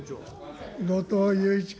後藤祐一君。